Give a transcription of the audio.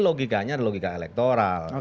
logikanya ada logika elektoral